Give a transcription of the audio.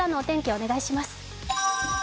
お願いします。